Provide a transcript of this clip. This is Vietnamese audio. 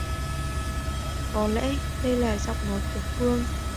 Có lẽ đây là giọng nói của Phương